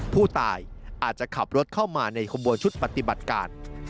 ผู้ตายอาจจะขับรถเข้ามาในขบวนชุดปฏิบัติการ